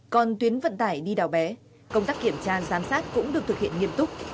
còn tuyến vận tải đi đào bé công tác kiểm tra giám sát cũng được thực hiện nghiêm túc